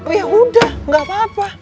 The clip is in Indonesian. ya udah gak apa apa